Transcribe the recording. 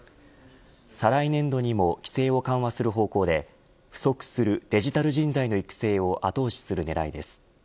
再来年度にも規制を緩和する方向で不足するデジタル人材の育成を後押しする狙いです。